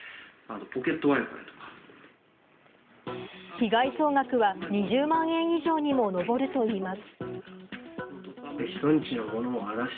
被害総額は２０万円以上にも上るといいます。